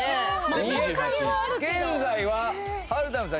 現在ははるたむさん